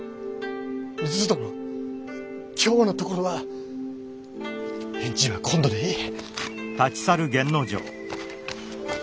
美鈴殿今日のところは返事は今度でいい。